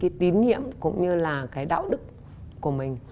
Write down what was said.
không mất đi được cái tín hiệm cũng như là cái đạo đức của mình